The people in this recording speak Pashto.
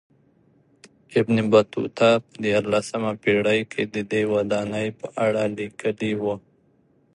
ابن بطوطه په دیارلسمه پېړۍ کې ددې ودانۍ په اړه لیکلي و.